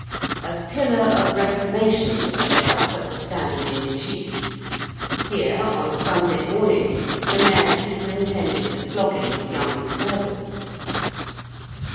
A 'pillar of reformation' was set up at the Standard in Cheap; here on Sunday morning the mayor superintended the flogging of young servants.